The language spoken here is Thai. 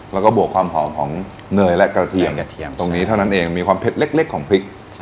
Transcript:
แล้วก็บวกความหอมของเนยและกระเทียมกระเทียมตรงนี้เท่านั้นเองมีความเผ็ดเล็กของพริก